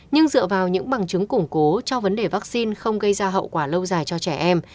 nhưng dựa vào những bằng chứng củng cố cho vấn đề vaccine không gây ra hậu quả lâu dài cho trẻ em